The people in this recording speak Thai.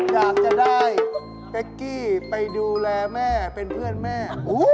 อยากจะได้เป๊กกี้ไปดูแลแม่เป็นเพื่อนแม่